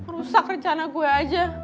rusak rencana gue aja